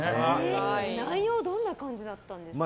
内容どんな感じだったんですか？